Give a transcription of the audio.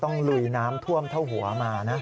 ลุยน้ำท่วมเท่าหัวมานะ